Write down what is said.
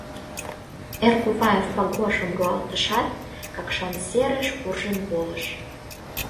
Эргуваев пагоржым руалтышат, Какшан серыш куржын волыш.